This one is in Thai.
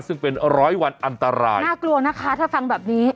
ซึ่งเป็นร้อยวันอันตรายน่ากลัวนะคะถ้าฟังแบบนี้